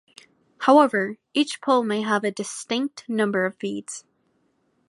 However, each pole may have a distinct number of beads.